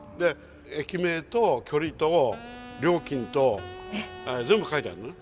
駅名と距離と料金と全部書いてあるのね。